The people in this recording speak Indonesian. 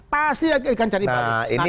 pasti dia akan cari balik nah ini